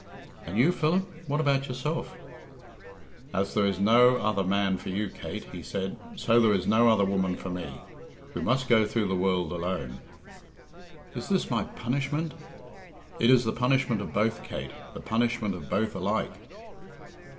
"And you, Philip? What about yourself?" "As there is no other man for you, Kate," he said, "so there is no other woman for me. We must go through the world alone." "Is this my punishment?" "It is the punishment of both, Kate, the punishment of both alike."